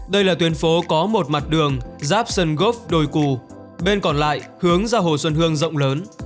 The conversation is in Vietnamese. đây là tuyến phố có một mặt đường giáp sơn gốc đồi cù bên còn lại hướng ra hồ xuân hương rộng lớn